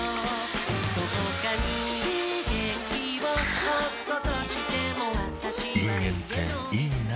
どこかに元気をおっことしてもあぁ人間っていいナ。